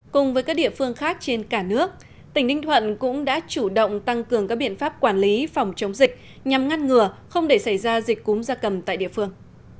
cùng với các địa phương khác trên cả nước tỉnh ninh thuận cũng đã chủ động tăng cường các biện pháp quản lý phòng chống dịch nhằm ngăn ngừa không để xảy ra dịch cúm gia cầm tại địa phương